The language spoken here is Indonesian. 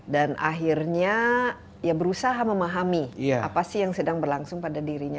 dan akhirnya berusaha memahami apa sih yang sedang berlangsung pada dirinya